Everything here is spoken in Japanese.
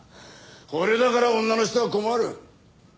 これだから女の人は困る。